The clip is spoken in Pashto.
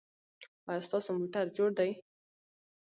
ایا ستاسو موټر جوړ دی؟